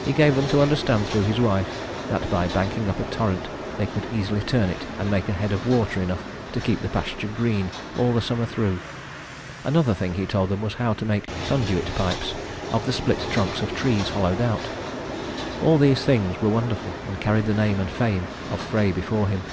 He gave them to understand through his wife that by banking up a torrent they could easily turn it and make a head of water enough to keep the pasture green all the summer through. Another thing he told them was how to make conduit pipes of the split trunks of trees, hollowed out. All these things were wonderful, and carried the name and fame of Frey before him.